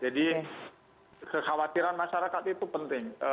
jadi kekhawatiran masyarakat itu penting